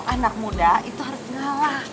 anak muda itu harus galah